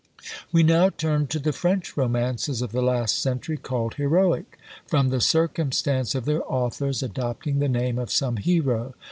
We now turn to the French romances of the last century, called heroic, from the circumstance of their authors adopting the name of some hero.